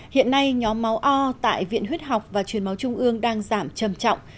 hiện nay nhóm máu o tại viện huyết học và truyền máu trung ương đang giảm trầm trọng